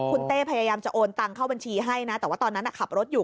คุณเต้พยายามจะโอนตังเข้าบัญชีให้นะแต่ว่าตอนนั้นขับรถอยู่